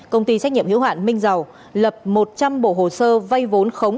công ty trách nhiệm hữu hạn minh dầu lập một trăm linh bộ hồ sơ vây vốn khống